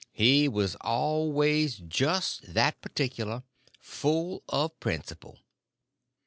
He was always just that particular. Full of principle.